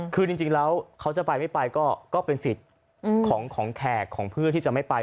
คือจริงแล้วเขาจะไปไม่ไปก็เป็นสิทธิ์ของแขกของเพื่อที่จะไม่ไป